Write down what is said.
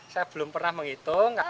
saya belum pernah menghitung